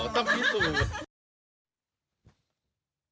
ต้องพิสูจน์